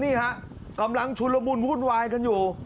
นี่ฮะกำลังชุนละมุนวุ่นวายกันอยู่